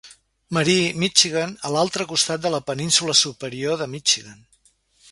Marie (Michigan) a l'altre costat de la Península Superior de Michigan.